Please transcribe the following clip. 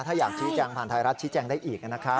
ถ้าอยากชี้แจงผ่านไทยรัฐชี้แจงได้อีกนะครับ